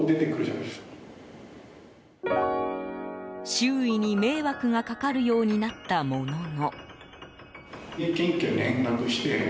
周囲に迷惑がかかるようになったものの。